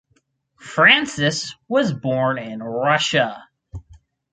Francis was born in Russia.